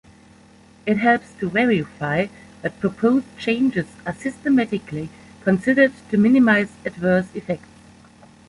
It helps to verify that proposed changes are systematically considered to minimize adverse effects.